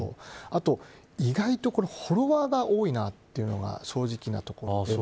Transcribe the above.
あと、意外とフォロワーが多いなというのが正直なところです。